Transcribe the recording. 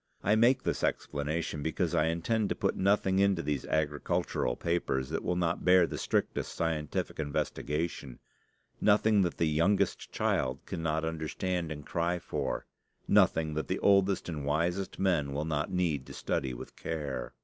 I make this explanation because I intend to put nothing into these agricultural papers that will not bear the strictest scientific investigation; nothing that the youngest child cannot understand and cry for; nothing that the oldest and wisest men will not need to study with care.